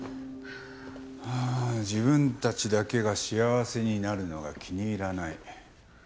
自分たちだけが幸せになるのが気に入らない。